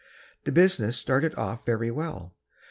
The business started off very well.